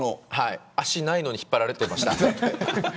足ないのに引っ張られていました。